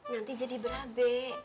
nanti jadi berabe